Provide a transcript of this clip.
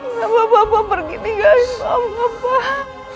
kenapa bapak pergi tinggalkan mama pak